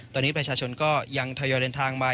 ตอนนี้ประชาชนก็ยังทยอยเดินทางมา